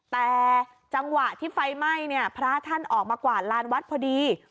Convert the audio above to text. แต่จังหวะที่ไฟไหม้เนี่ยพระท่านออกมากวาดลานวัดพอดี